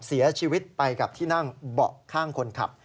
เสียชีวิตไปกับที่นั่งเบาะข้างคนขับ